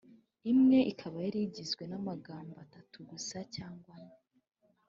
imwe ikaba yari igizwe n’amagambo atatu gusa cyangwa ane.